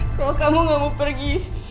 kalau kamu gak mau pergi